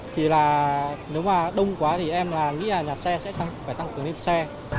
thì nếu mà đông quá thì em nghĩ là nhà xe sẽ phải tăng cường lên xe